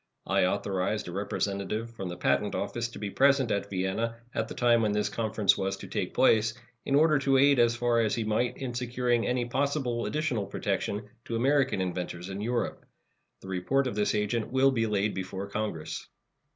I authorized a representative from the Patent Office to be present at Vienna at the time when this conference was to take place, in order to aid as far as he might in securing any possible additional protection to American inventors in Europe. The report of this agent will be laid before Congress.